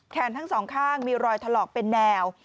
ทั้งสองข้างมีรอยถลอกเป็นแนว